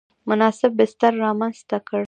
مناسب بستر رامنځته کړ.